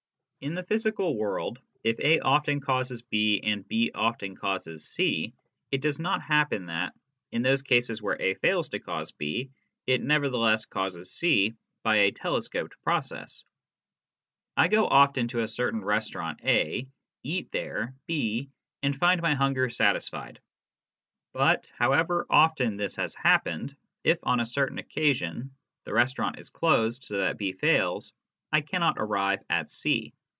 In the physical world, if A often causes B, and B often causes C, it does not happen that, in those cases where A fails to cause B, it nevertheless causes C by a telescoped pro cess. I go often to a certain restaurant (A), eat there (B), and find my hunger satisfied (C). But, however often this has happened, if, on a certain occasion, the restaurant is closed, so that B fails, I cannot arrive at C.